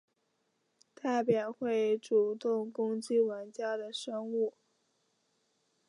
代表会主动攻击玩家的生物。